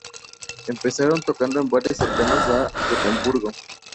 Empezaron tocando en bares cercanos a Gotemburgo.